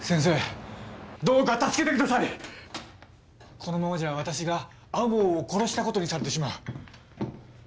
このままじゃ私が天羽を殺した事にされてしまう。